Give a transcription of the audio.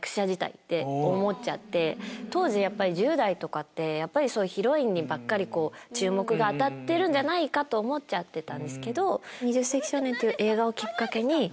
当時１０代とかってヒロインにばっかり注目が当たってると思っちゃってた。